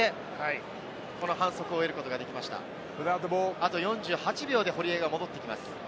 あと４８秒で堀江が戻ってきます。